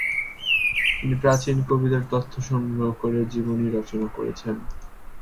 তিনি প্রাচীন কবিদের তথ্য সংগ্রহ ক'রে জীবনী রচনা করেছেন।